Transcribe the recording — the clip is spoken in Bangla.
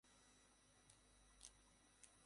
অভিনন্দন, ক্যাপ্টেন।